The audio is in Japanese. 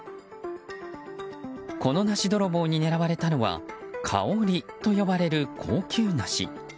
この梨泥棒に狙われたのはかおりと呼ばれる高級梨。